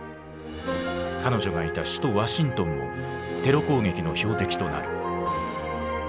彼女がいた首都ワシントンもテロ攻撃の標的となる。